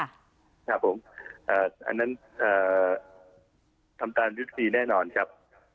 ครับผมอันนั้นทำตามยุทธีแน่นอนครับ